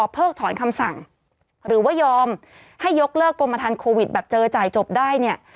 ถอนคำสั่งหรือว่ายอมให้ยกเลิกกรมฐานโควิดแบบเจอจ่ายจบได้เนี่ย